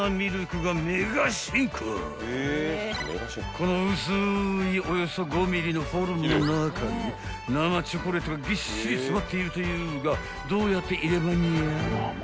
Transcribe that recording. ［この薄いおよそ５ｍｍのフォルムの中に生チョコレートがぎっしり詰まっているというがどうやって入れまんにゃ？］